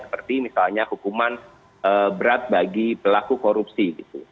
seperti misalnya hukuman berat bagi pelaku korupsi gitu